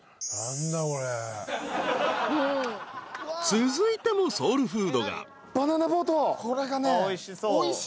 ［続いてのソウルフードが］